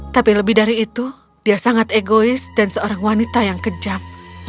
tapi lebih dari itu dia sangat egois dan seorang wanita yang kejam